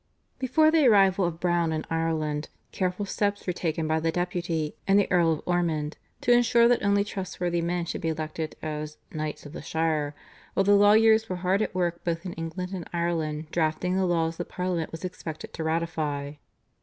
Before the arrival of Browne in Ireland careful steps were taken by the deputy and the Earl of Ormond to ensure that only trustworthy men should be elected as "knights of the shire," while the lawyers were hard at work both in England and Ireland drafting the laws that Parliament was expected to ratify.